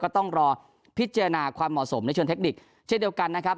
ต้องรอพิจารณาความเหมาะสมในเชิงเทคนิคเช่นเดียวกันนะครับ